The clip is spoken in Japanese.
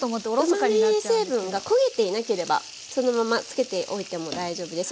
うまみ成分が焦げていなければそのまま付けておいても大丈夫です。